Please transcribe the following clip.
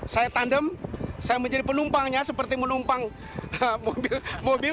saya tandem saya menjadi penumpangnya seperti menumpang mobil